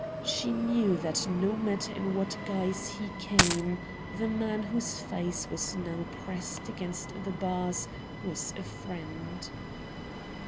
She knew that no matter in what guise he came the man whose face was now pressed against the bars was a friend.